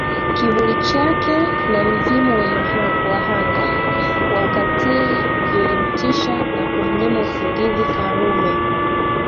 Kivuli chake na mzimu wa wahanga wa ukatili vilimtisha na kumnyima usingizi Karume